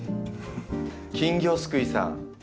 金魚すくいさん。